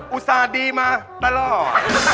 ส่าห์ดีมาตลอด